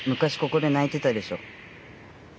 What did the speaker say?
ここでないてたでしょ。